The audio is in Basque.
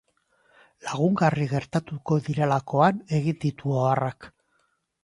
Lagungarri gertatuko direlakoan egin ditu oharrak.